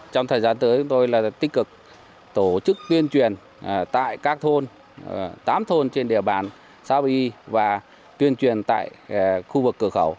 trong thời gian tới chúng tôi tích cực tổ chức tuyên truyền tại các thôn tám thôn trên địa bàn sao bi và tuyên truyền tại khu vực cửa khẩu